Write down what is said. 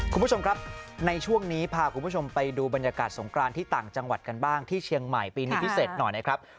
คุณผู้ชมครับในช่วงนี้พาคุณผู้ชมไปดูบรรยากาศสงกรานที่ต่างจังหวัดกันบ้างที่เชียงใหม่ปีนี้พิเศษหน่อยนะครับ